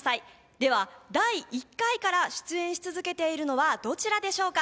では、第１回から出演し続けているのはどちらでしょうか？